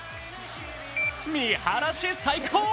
見晴らし最高！